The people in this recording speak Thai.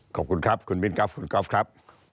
ขอบคุณครับคุณมิ้นครับคุณก๊อฟครับ